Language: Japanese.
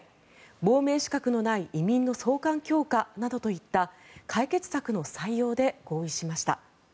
亡命資格のない移民の送還強化などといった解決策の採用で合意しました。